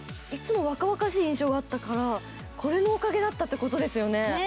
いつも若々しい印象があったからこれのおかげだったってことですよね。